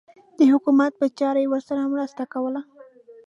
د حکومت په چارو کې یې ورسره مرسته کوله.